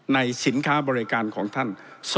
สินค้าบริการของท่าน